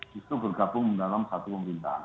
justru bergabung dalam satu pemerintahan